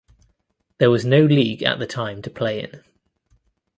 There was no league at the time to play in.